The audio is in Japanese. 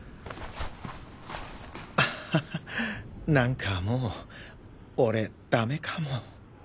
アッハハ何かもう俺ダメかも。